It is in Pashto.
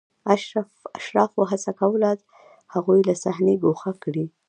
اشرافو هڅه کوله هغوی له صحنې ګوښه کړي.